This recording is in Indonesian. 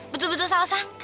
betul betul salah sangka